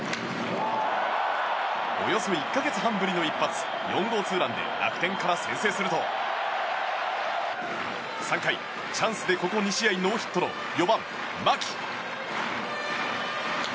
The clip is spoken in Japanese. およそ１か月半ぶりの一発４号ツーランで楽天から先制すると３回、チャンスでここ２試合ノーヒットの４番、牧。